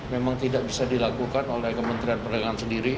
memang tidak bisa dilakukan oleh kementerian perdagangan sendiri